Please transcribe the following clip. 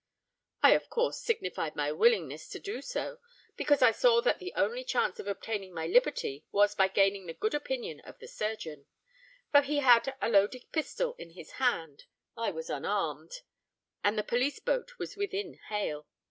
I of course signified my willingness to do so, because I saw that the only chance of obtaining my liberty was by gaining the good opinion of the surgeon; for he had a loaded pistol in his hand—I was unarmed—and the police boat was within hail.